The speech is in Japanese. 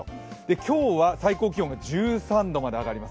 今日は、最高気温が１３度まで上がります。